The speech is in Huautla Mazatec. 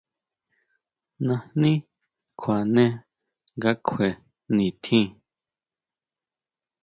Najní kjuane nga kjue nitjín.